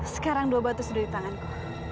sekarang dua batu sudah di tanganku